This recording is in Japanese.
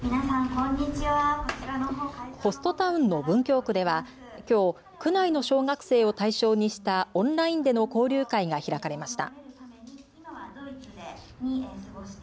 ホストタウンの文京区ではきょう、区内の小学生を対象にしたオンラインでの交流会が開かれました。